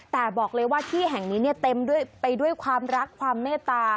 แต่บอกเลยว่าที่แห่งนี้เนี่ยเต็มไปด้วยความรักความเมตตา